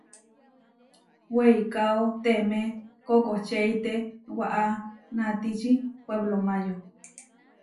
Weikáo temé kokočeite waʼá natiči Puéblo Máyo.